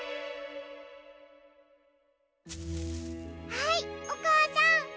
はいおかあさん。